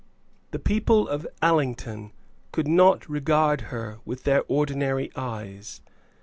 The people of Allington could not regard her with their ordinary eyes.